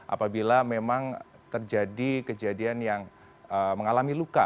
apabila memang terjadi kejadian yang mengalami luka